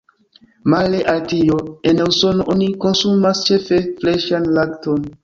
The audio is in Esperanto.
Male al tio, en Usono oni konsumas ĉefe freŝan lakton.